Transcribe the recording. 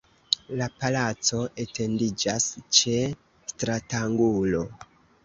La palaco etendiĝas ĉe stratangulo.